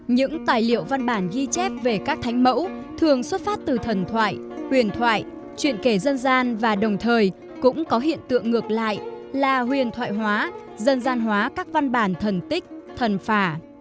những tài liệu văn bản ghi chép về các thánh mẫu thường xuất phát từ thần thoại huyền thoại chuyện kể dân gian và đồng thời cũng có hiện tượng ngược lại là huyền thoại hóa dân gian hóa các văn bản thần tích thần phả